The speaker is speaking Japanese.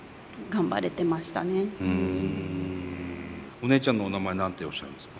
お姉ちゃんのお名前何ておっしゃるんですか？